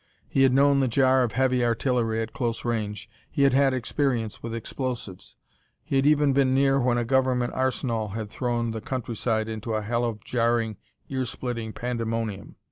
He had known the jar of heavy artillery at close range; he had had experience with explosives. He had even been near when a government arsenal had thrown the countryside into a hell of jarring, ear splitting pandemonium.